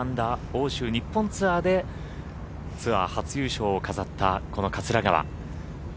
欧州・日本ツアーでツアー初優勝を飾ったこの桂川。